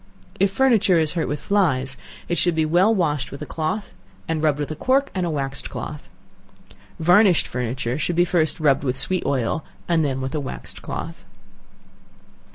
If furniture is hurt with flies, it should be well washed with a cloth, and rubbed with a cork and a waxed cloth. Varnished furniture should be first rubbed with sweet oil, and then with a waxed cloth.